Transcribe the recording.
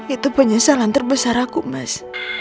itu penyesalan terbesar aku mas